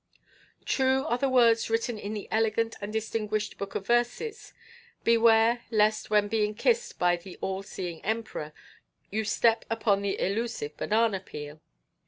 True are the words written in the elegant and distinguished Book of Verses: "Beware lest when being kissed by the all seeing Emperor, you step upon the elusive banana peel."